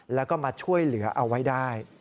แล้วก็มาช่วยเหลือเอาไว้ได้